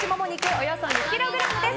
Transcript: およそ２ｋｇです。